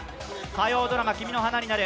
火曜ドラマ「君の花になる」